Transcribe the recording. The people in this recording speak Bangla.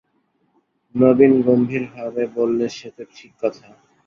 নবীন গম্ভীর ভাবে বললে, সে তো ঠিক কথা।